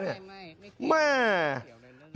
ไม่ไม่ไม่ไม่เขียวเลย